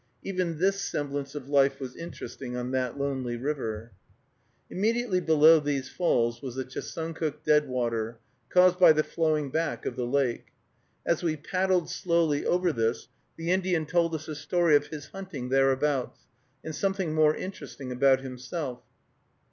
Even this semblance of life was interesting on that lonely river. Immediately below these falls was the Chesuncook Deadwater, caused by the flowing back of the lake. As we paddled slowly over this, the Indian told us a story of his hunting thereabouts, and something more interesting about himself.